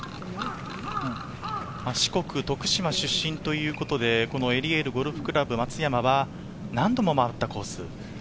四国・徳島出身ということで、エリエールゴルフクラブ松山は、何度も回ったコース。